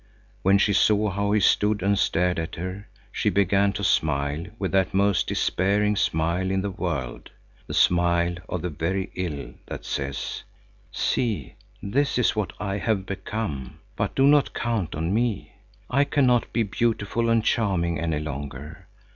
When she saw how he stood and stared at her, she began to smile with that most despairing smile in the world, the smile of the very ill, that says: "See, this is what I have become, but do not count on me! I cannot be beautiful and charming any longer.